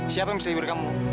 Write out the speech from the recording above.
siapa yang bisa libur kamu